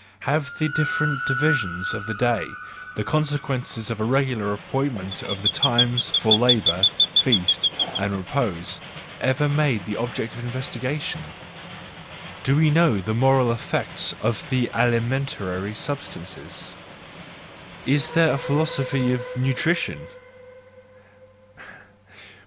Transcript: Have the different divisions of the day, the consequences of a regular appointment of the times for labour, feast, and repose, ever been made the object of investigation? Do we know the moral effects of the alimentary substances ? Is there a philosophy of nutrition?